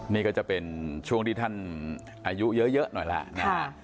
นี่ก็จะเป็นช่วงที่ท่านอายุเยอะหน่อยล่ะ